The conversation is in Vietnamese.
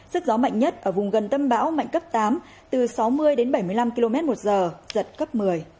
sức gió mạnh nhất ở vùng gần tâm bão mạnh cấp tám từ sáu mươi đến bảy mươi năm km một giờ giật cấp một mươi